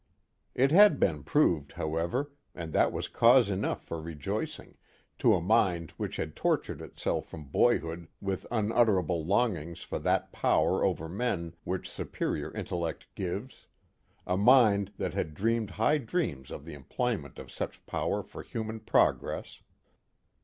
It had been proved, however, and that was cause enough for rejoicing, to a mind which had tortured itself from boyhood with unutterable longings for that power over men which superior intellect gives, a mind that had dreamed high dreams of the employment of such power for human progress.